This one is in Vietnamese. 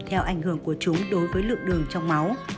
theo ảnh hưởng của chúng đối với lượng đường trong máu